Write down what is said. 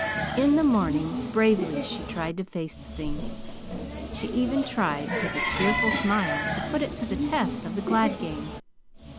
In the morning, bravely she tried to face the thing. She even tried, with a tearful smile, to put it to the test of the glad game.